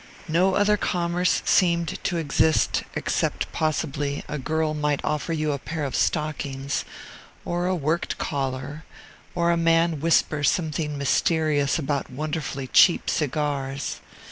No other commerce seemed to exist, except, possibly, a girl might offer you a pair of stockings or a worked collar, or a man whisper something mysterious about wonderfully cheap cigars.